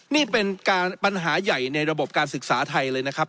นี่เป็นปัญหาใหญ่ในระบบการศึกษาไทยเลยนะครับ